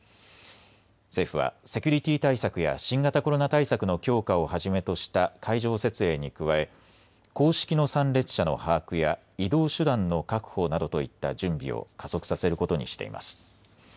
政府はセキュリティー対策や新型コロナ対策の強化をはじめとした会場設営に加え公式の参列者の把握や移動手段の確保などといった準備を加速させることにしています。